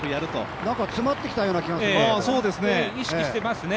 なんか詰まってきたような気がしますね。